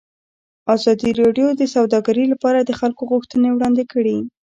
ازادي راډیو د سوداګري لپاره د خلکو غوښتنې وړاندې کړي.